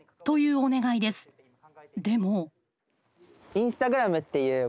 でも。